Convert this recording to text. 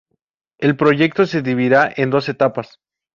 El proyecto se dividirá en dos etapas.